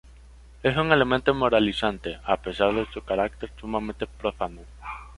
Es un elemento moralizante, a pesar de su carácter sumamente profano.